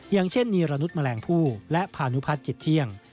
อย่างเช่นนีรนุษยแมลงผู้และพานุพัฒนจิตเที่ยง